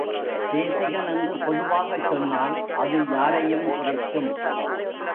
தேசிகன் என்று பொதுவாகச் சொன்னால் அது யாரையும் குறிக்கும்.